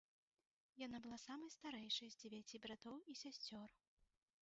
Яна была самай старэйшай з дзевяці братоў і сясцёр.